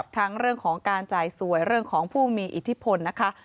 ทั้งเรื่องของการจ่ายสวยเรื่องของผู้มีอิทธิพลนะคะ